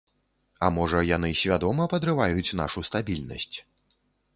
А можа, яны свядома падрываюць нашу стабільнасць?